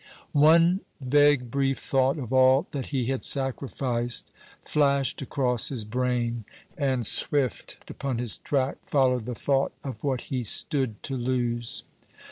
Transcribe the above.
One vague brief thought of all that he had sacrificed flashed across his brain; and swift upon his track followed the thought of what he stood to lose.